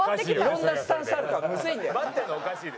いろんなスタンスあるからむずいんだよ。